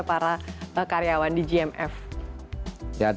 harga tinggi wow dengan kasar kau ya